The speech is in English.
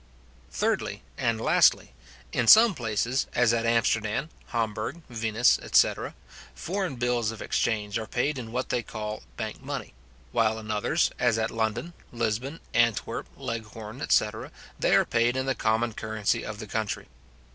Thirdly, and lastly, In some places, as at Amsterdam, Hamburg, Venice, etc. foreign bills of exchange are paid in what they call bank money; while in others, as at London, Lisbon, Antwerp, Leghorn, etc. they are paid in the common currency of the country.